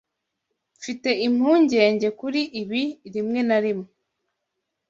Mfite impungenge kuri ibi rimwe na rimwe.